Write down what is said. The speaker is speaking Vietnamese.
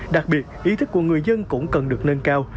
đặc biệt ý thức của người dân cũng cần được nâng cao